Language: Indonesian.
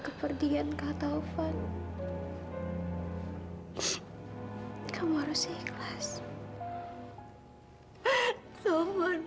sampai jumpa di video selanjutnya